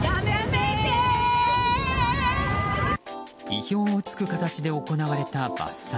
意表を突く形で行われた伐採。